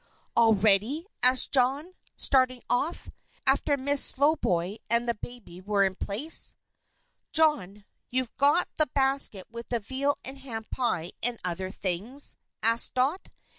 "All ready?" asked John, starting off, after Miss Slowboy and the baby were in place. "John, you've got the basket with the veal and ham pie and other things?" asked Dot.